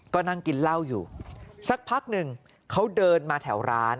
ก็นั่งกินเหล้าอยู่สักพักหนึ่งเขาเดินมาแถวร้าน